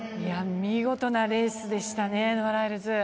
見事なレースでしたね、ノア・ライルズ。